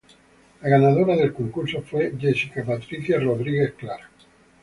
La ganadora del concurso fue Jessica Patricia Rodríguez Clark.